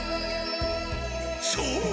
そう！